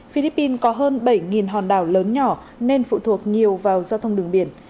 philippines có hơn bảy hòn đảo lớn nhỏ nên phụ thuộc nhiều vào giao thông đường biển